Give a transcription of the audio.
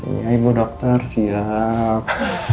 iya ibu dokter siap